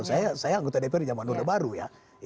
saya anggota dpr di jamadro baru ya